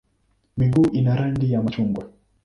Miguu ina rangi ya machungwa.